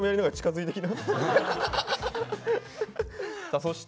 はい。